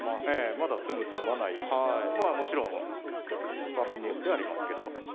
まだ詰む詰まないまあもちろん場面によってはありますけど。